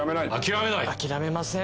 諦めません。